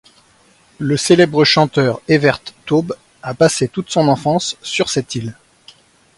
Le célèbre chanteur Evert Taube a passé toute son enfance sur cette île.